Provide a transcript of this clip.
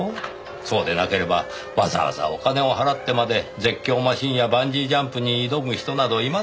そうでなければわざわざお金を払ってまで絶叫マシンやバンジージャンプに挑む人などいませんよ。